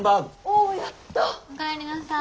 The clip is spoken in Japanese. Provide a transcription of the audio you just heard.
おやった！